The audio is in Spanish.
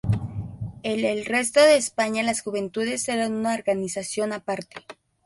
El el resto de España las juventudes eran una organización a parte.